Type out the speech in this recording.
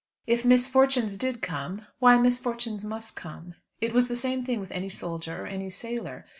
If misfortunes did come, why misfortunes must come. It was the same thing with any soldier or any sailor.